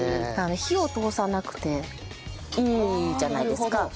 火を通さなくていいじゃないですか。